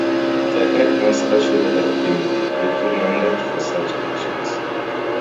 The headmaster should have been reprimanded for such actions.